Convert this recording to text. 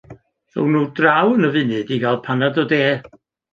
Ddown nhw draw yn y funud i gael paned o de.